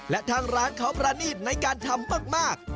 และทางร้านเขาประณีตในการทำมาก